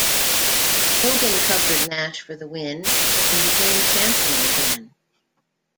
Hogan covered Nash for the win and became champion again.